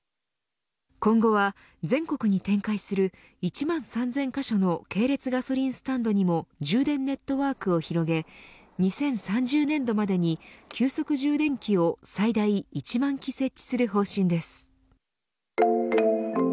今後は全国に展開する１万３０００カ所の系列ガソリンスタンドにも充電ネットワークを広げ２０３０年度までに急速充電器を最大１万基設置する方針です。